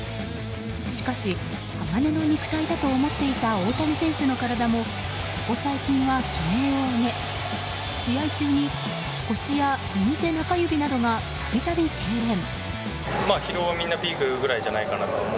しかし、鋼の肉体だと思っていた大谷選手の体もここ最近は悲鳴を上げ試合中に腰や右手中指などが度々、けいれん。